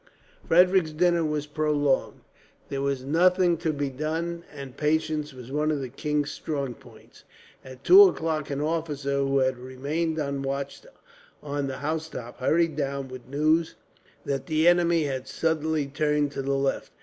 Frederick's dinner was prolonged. There was nothing to be done, and patience was one of the king's strong points. At two o'clock an officer, who had remained on watch on the housetop, hurried down with news that the enemy had suddenly turned to the left.